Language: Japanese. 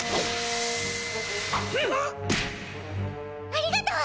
ありがとう！